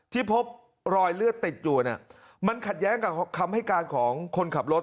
ที่พบรอยเลือดติดอยู่เนี่ยมันขัดแย้งกับคำให้การของคนขับรถ